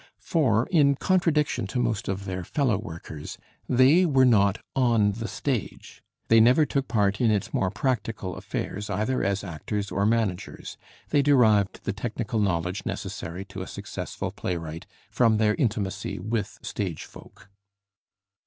For in contradiction to most of their fellow workers, they were not on the stage; they never took part in its more practical affairs either as actors or managers; they derived the technical knowledge necessary to a successful playwright from their intimacy with stage folk.